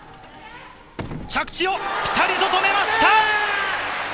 着地をピタリと止めました。